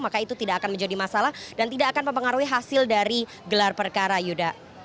maka itu tidak akan menjadi masalah dan tidak akan mempengaruhi hasil dari gelar perkara yuda